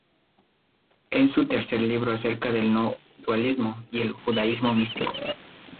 Es su tercer libro, acerca del "No dualismo" y el judaísmo místico.